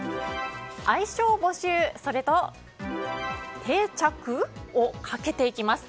愛称募集と定着？をかけていきます。